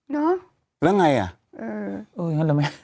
เนอะแล้วไงอ่ะเออเอออย่างนั้นเหรอแม่